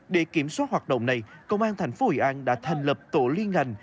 để kiểm soát hoạt động này công an thành phố hội an đã thành lập tổ liên ngành